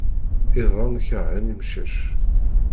Iḍan kerhen imcac.